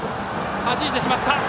はじいてしまった。